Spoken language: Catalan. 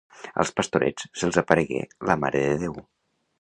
Als pastorets se'ls aparegué la Mare de Déu.